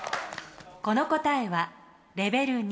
この答えはレベル２。